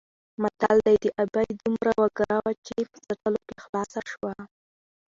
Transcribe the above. متل دی: د ابۍ دومره وګره وه چې په څټلو کې خلاصه شوه.